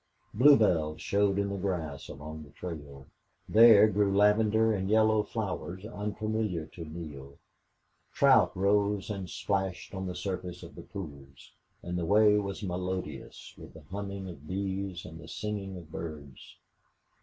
Bluebells showed in the grass along the trail; there grew lavender and yellow flowers unfamiliar to Neale; trout rose and splashed on the surface of the pools; and the way was melodious with the humming of bees and the singing of birds.